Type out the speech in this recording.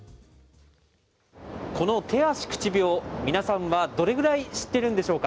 この手足口病、皆さんはどれぐらい知っているんでしょうか。